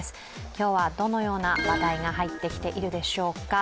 今日はどのような話題が入ってきているでしょうか。